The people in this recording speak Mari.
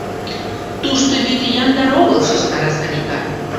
— Тушто вӱд яндар огыл, — шижтара Салика.